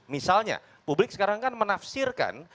misalnya publik sekarang kan menafsirkan